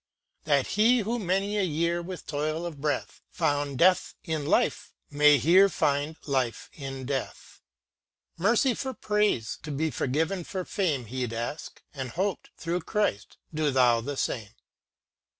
; That he who many a year with toil of breath Found death in life, may here find life in death ! Mercy for praise — to be forgiven for fame He ask'd, and hoped, through Christ. Do thou the same